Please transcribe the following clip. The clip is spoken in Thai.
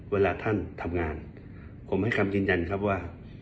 เวลาท่านทำงานผมให้คำที่ดำนั้นครับว่า